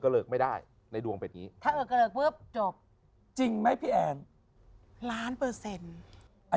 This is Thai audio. กะเลิกไม่ได้ในดวงเป็นนี้จบจริงไหมพี่แอนล้านเปอร์เซ็นต์อัน